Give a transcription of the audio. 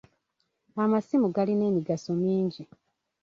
Amasimu galina emigaso mingi.